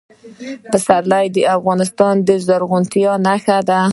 پسرلی د افغانستان د زرغونتیا نښه ده.